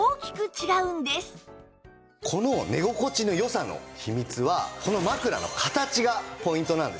このこの寝心地の良さの秘密はこの枕の形がポイントなんですね。